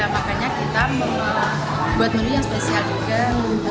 makanya kita membuat menu yang spesial juga